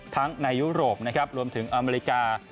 ในยุโรปนะครับรวมถึงอเมริกา